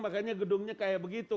makanya gedungnya kayak begitu